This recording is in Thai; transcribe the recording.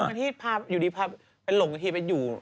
ตรงนั้นที่พาอยู่ดีพาไปหลงกันทีไปอยู่